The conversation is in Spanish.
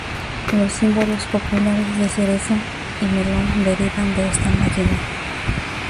Los símbolos populares de cereza y melón derivan de esta máquina.